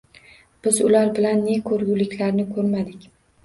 Biz ular bilan ne ko‘rguliklarni ko‘rmadik